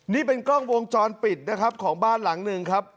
นี่เป็นกล้องวงจรปิดนะครับของบ้านหลังหนึ่งครับ